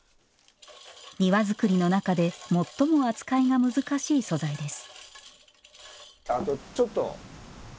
庭作りの中で最も扱いが難しい素材ですＯＫ。